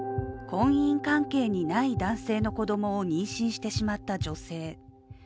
婚姻関係にない男性の子供を妊娠してしまった女性。